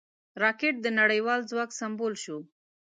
راکټ د نړیوال ځواک سمبول شو